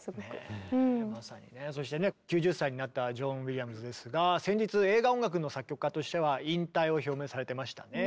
そしてね９０歳になったジョン・ウィリアムズですが先日映画音楽の作曲家としては引退を表明されてましたね。